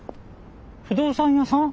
不動産屋さん？